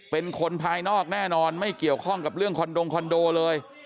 เป็นคนภายนอกแน่นอนไม่เกี่ยวข้องกับเรื่องคอนโดงคอนโดเลย